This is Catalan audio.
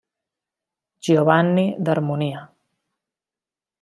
Giovanni d'harmonia.